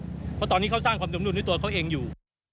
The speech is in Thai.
เพราะตอนนี้เขาสร้างความดมนุนให้ตัวเขาเองอยู่